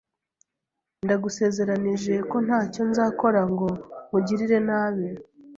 Ndagusezeranije ko ntacyo nzakora ngo nkugirire nabi.